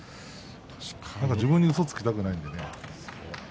なんか自分にうそつきたくないので。